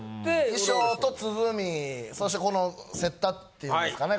衣装と鼓そしてこの雪駄っていうんですかね。